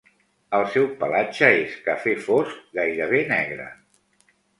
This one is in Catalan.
El seu pelatge és cafè fosc, gairebé negre.